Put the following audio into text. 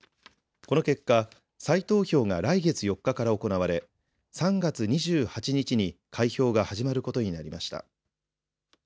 この結果、再投票が来月４日から行われ、３月２８日に開票が始まることになりました。